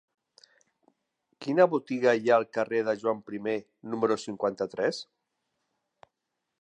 Quina botiga hi ha al carrer de Joan I número cinquanta-tres?